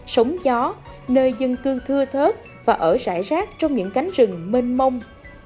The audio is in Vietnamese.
sống gió nơi dân cư thưa thớt và ở rải rác trong những cánh rừng mênh mông